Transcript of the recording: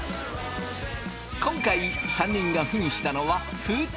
今回３人がふんしたのは封筒。